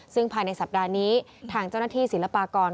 ซึ่งภายในสัปดาห์นี้ทางเจ้าหน้าที่ศิลปากร